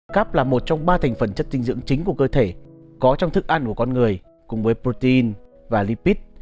cáp là một trong ba thành phần chất dinh dưỡng chính của cơ thể có trong thức ăn của con người cùng với protein và lipid